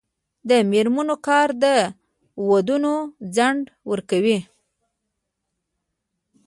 د میرمنو کار د ودونو ځنډ ورکوي.